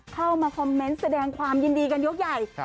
เข้ามาคอมเมนต์แสดงความยินดีกันยกใหญ่